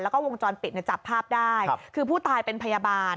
แล้วก็วงจรปิดจับภาพได้คือผู้ตายเป็นพยาบาล